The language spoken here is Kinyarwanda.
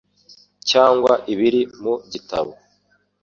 cyangwa ibiri mu gitabo.